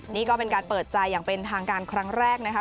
นี่ก็เป็นการเปิดใจอย่างเป็นทางการครั้งแรกนะคะ